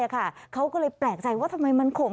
เขาก็เลยแปลกใจว่าทำไมมันข่ม